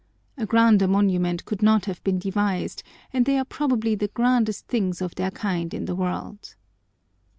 A grander monument could not have been devised, and they are probably the grandest things of their kind in the world.